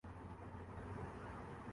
اگر اس کا نتیجہ سٹریٹجک ڈیپتھ